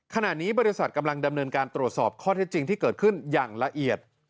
ขณะนี้บริษัทกำลังดำเนินการตรวจสอบข้อเท็จจริงที่เกิดขึ้นอย่างละเอียด